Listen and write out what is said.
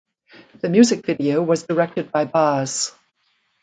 The music video was directed by Baz.